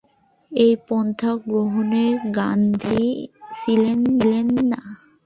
এ পন্থা গ্রহণে গান্ধী রাজি ছিলেন না।